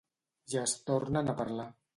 Ja es tornen a parlar.